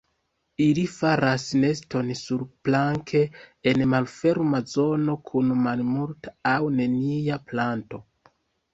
Ili faras neston surplanke en malferma zono kun malmulta aŭ nenia planto.